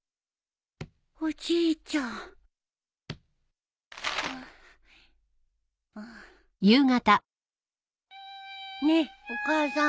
おじいちゃんねえお母さん。